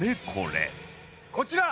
こちら！